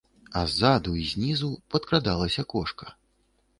А ззаду і знізу падкрадалася кошка.